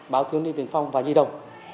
báo thương niên tiền phong và nhi đồng